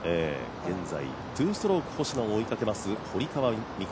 現在２ストローク星野を追いかけます堀川未来